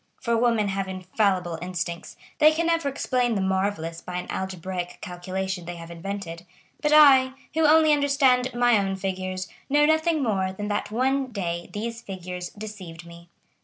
For women have infallible instincts; they can even explain the marvellous by an algebraic calculation they have invented; but I, who only understand my own figures, know nothing more than that one day these figures deceived me.